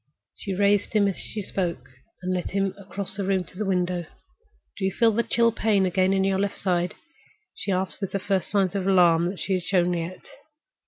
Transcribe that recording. She raised him as she spoke, and led him across the room to the window. "Do you feel the chill pain again on your left side?" she asked, with the first signs of alarm that she had shown yet.